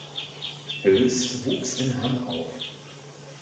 Hüls wuchs in Hamm auf.